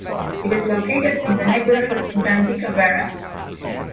It is located in the neighborhood Jacinto Vera.